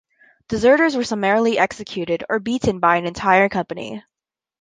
Deserters were summarily executed or beaten by an entire company.